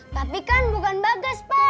tapi kan bukan bagas pak